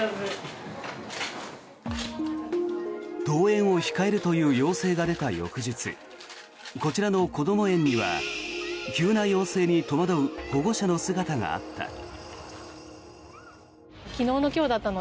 登園を控えるという要請が出た翌日こちらのこども園には急な要請に戸惑う保護者の姿があった。